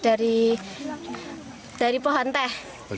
iya itu dari pohon teh